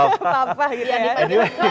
nelfon papa gitu ya